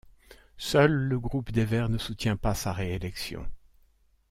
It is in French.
Seul le groupe des Verts ne soutient pas sa réélection.